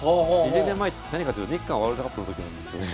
２０年前って何かというと日韓ワールドカップの時なんですよね。